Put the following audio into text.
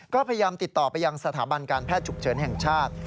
ก็พยายามติดต่อไปยังสถาบันการแพทย์ฉุกเฉินแห่งชาติ